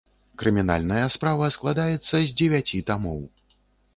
Крымінальная справа складаецца з дзевяці тамоў.